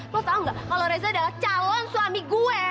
lo tau gak kalo reza adalah calon suami gue